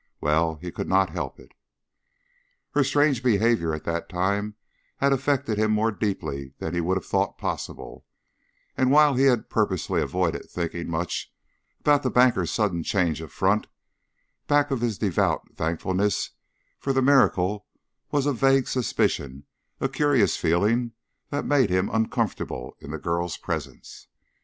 Well! He could not help it. Her strange behavior at that time had affected him more deeply than he would have thought possible; and while he had purposely avoided thinking much about the banker's sudden change of front, back of his devout thankfulness for the miracle was a vague suspicion, a curious feeling that made him uncomfortable in the girl's presence.